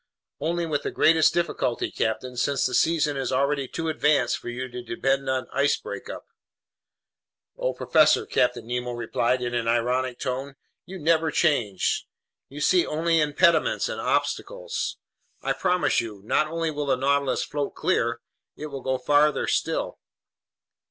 "Only with the greatest difficulty, captain, since the season is already too advanced for you to depend on an ice breakup." "Oh, professor," Captain Nemo replied in an ironic tone, "you never change! You see only impediments and obstacles! I promise you, not only will the Nautilus float clear, it will go farther still!"